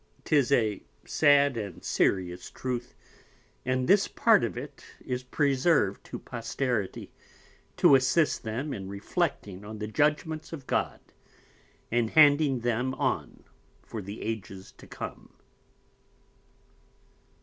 Tis a sad and serious Truth, and this part of it is preserv'd to Posterity to assist them in reflecting on the Judgments of God, and handing them on for the Ages to come.